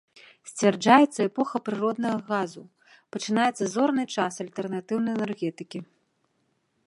Сцвярджаецца эпоха прыроднага газу, пачынаецца зорны час альтэрнатыўнай энергетыкі.